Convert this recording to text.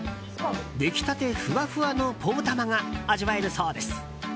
出来たてふわふわのポーたまが味わえるそうです。